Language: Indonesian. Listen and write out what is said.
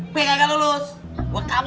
pih gak lulus gue kabur